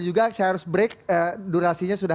juga saya harus break durasinya sudah